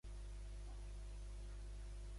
Va ser produït per Watt i dissenyat per Bobby Seifert.